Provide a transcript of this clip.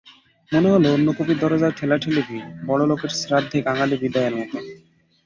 মনে হল, অন্য কবির দরজায় ঠেলাঠেলি ভিড়, বড়োলোকের শ্রাদ্ধে কাঙালি-বিদায়ের মতো।